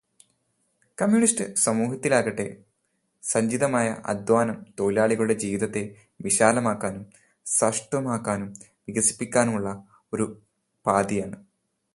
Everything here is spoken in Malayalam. കമ്മ്യൂണിസ്റ്റ് സമൂഹത്തിലാകട്ടെ, സഞ്ചിതമായ അദ്ധ്വാനം തൊഴിലാളിയുടെ ജീവിതത്തെ വിശാലമാക്കാനും സംപുഷ്ടമാക്കാനും വികസിപ്പിക്കാനുമുള്ള ഒരുപാധിയാണു്.